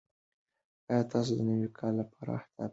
ایا تاسو د نوي کال لپاره اهداف لرئ؟